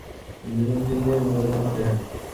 El video no tiene una trama general.